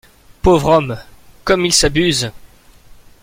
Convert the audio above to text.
Pauvre homme ! comme il s’abuse !